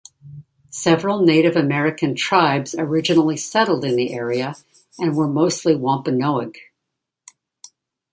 Several Native American tribes originally settled in the area and were mostly Wampanoag.